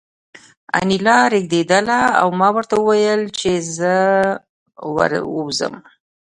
انیلا رېږېدله او ما ورته وویل چې زه ور ووځم